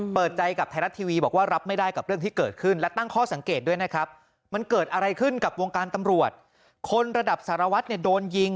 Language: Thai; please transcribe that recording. เปิดใจกับไทยรัตน์ทีวี